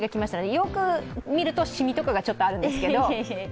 よく見ると染みとかがちょっとあるんですけど。